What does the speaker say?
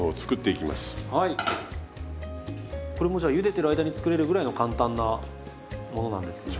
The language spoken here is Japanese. これもじゃあゆでてる間に作れるぐらいの簡単なものなんですね？